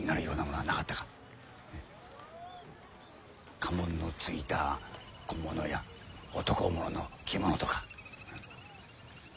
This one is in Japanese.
家紋のついた小物や男物の着物とか。